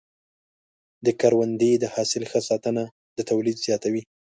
د کروندې د حاصل ښه ساتنه د تولید زیاتوي.